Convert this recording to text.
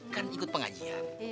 kan ikut pengajian